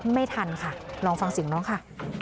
ไม่ทันค่ะลองฟังเสียงน้องค่ะ